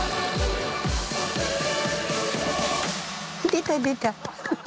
出た出た！